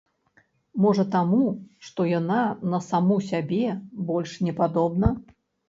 Можа таму, што яна на саму сябе больш не падобна?